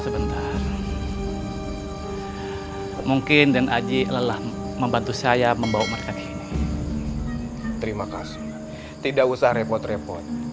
sebentar mungkin dan aji lelah membantu saya membawa mereka ke sini terima kasih tidak usah repot repot